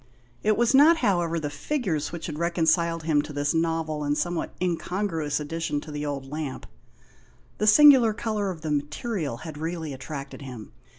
It was not, however, the figures which had reconciled him to this novel and somewhat incongruous addition to the old lamp. The singular colour of the material had really attracted him.